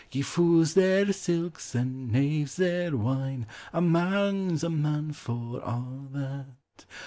Gie fools their silks, and knaves their wine, A man 's a man for a' that.